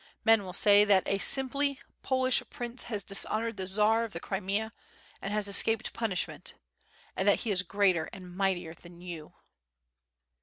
Men will say that a simply Polish prince has dis honored the Tsar of the Crimea and has escaped punishment — ^and that he is greater and mightier than you."